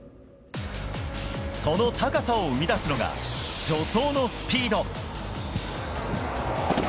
その高さを生み出すのが助走のスピード。